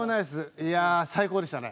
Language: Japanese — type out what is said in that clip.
いやあ最高でしたね。